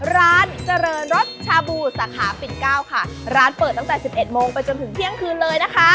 ร้านเจริญรสชาบูสาขาปิ่นเก้าค่ะร้านเปิดตั้งแต่สิบเอ็ดโมงไปจนถึงเที่ยงคืนเลยนะคะ